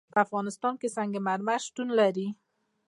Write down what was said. په افغانستان کې سنگ مرمر شتون لري.